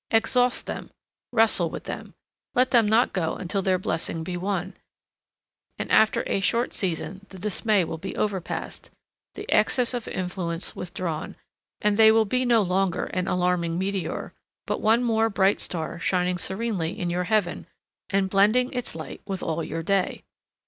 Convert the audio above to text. Exhaust them, wrestle with them, let them not go until their blessing be won, and after a short season the dismay will be overpast, the excess of influence withdrawn, and they will be no longer an alarming meteor, but one more bright star shining serenely in your heaven and blending its light with all your day.